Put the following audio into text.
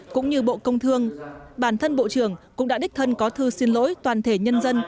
cũng như bộ công thương bản thân bộ trưởng cũng đã đích thân có thư xin lỗi toàn thể nhân dân